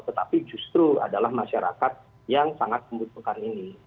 tetapi justru adalah masyarakat yang sangat membutuhkan ini